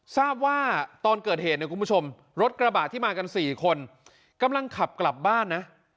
ทราบว่าตอนเกิดเหตุเนี่ยคุณผู้ชมรถกระบะที่มากัน๔คนกำลังขับกลับบ้านนะ